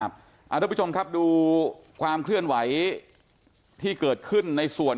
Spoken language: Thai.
ทุกผู้ชมครับดูความเคลื่อนไหวที่เกิดขึ้นในส่วน